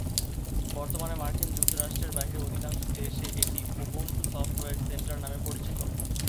বর্তমানে মার্কিন যুক্তরাষ্ট্রের বাইরে অধিকাংশ দেশে এটি "উবুন্টু সফটওয়্যার সেন্টার" নামে পরিচিত।